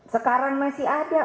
sekarang masih ada